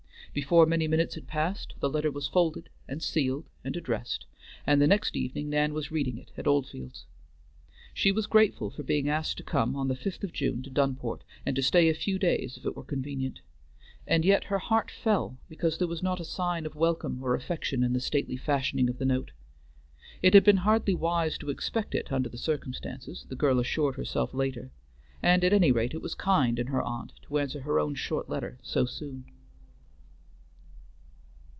Before many minutes had passed the letter was folded, and sealed, and addressed, and the next evening Nan was reading it at Oldfields. She was grateful for being asked to come on the 5th of June to Dunport, and to stay a few days if it were convenient, and yet her heart fell because there was not a sign of welcome or affection in the stately fashioning of the note. It had been hardly wise to expect it under the circumstances, the girl assured herself later, and at any rate it was kind in her aunt to answer her own short letter so soon.